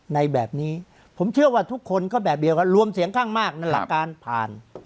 ในแบบนี้ผมเชื่อว่าทุกคนก็แบบเดียวกันรวมเสียงข้างมากนั่นหลักการผ่าน